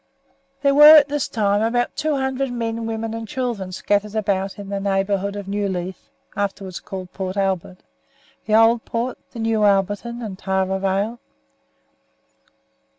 There were at this time about two hundred men, women, and children scattered about the neighbourhood of New Leith (afterwards called Port Albert), the Old Port, the New Alberton and Tarra Vale.